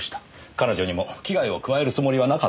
彼女にも危害を加えるつもりはなかったようです。